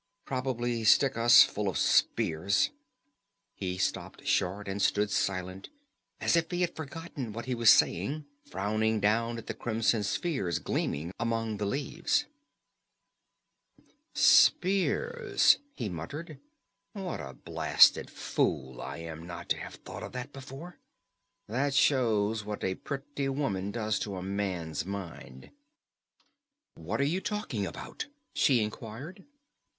Probably stick us full of spears " He stopped short and stood silent, as if he had forgotten what he was saying, frowning down at the crimson spheres gleaming among the leaves. "Spears!" he muttered. "What a blasted fool I am not to have thought of that before! That shows what a pretty woman does to a man's mind." "What are you talking about?" she inquired.